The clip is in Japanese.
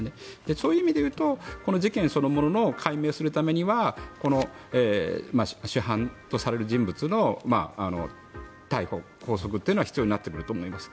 そういう意味でいうと事件そのものを解明するためには主犯とされる人物の逮捕・拘束というのが必要になってくると思います。